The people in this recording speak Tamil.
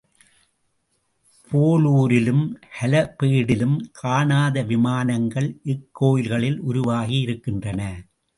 பேலூரிலும் ஹலபேடிலும் காணாத விமானங்கள் இக்கோயிலில் உருவாகி இருக்கின்றன.